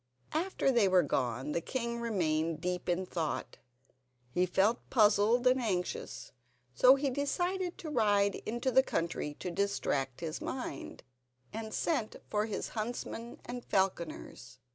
After they were gone the king remained deep in thought. He felt puzzled and anxious; so he decided to ride into the country to distract his mind, and sent for his huntsmen and falconers.